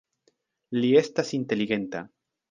Li estas inteligenta.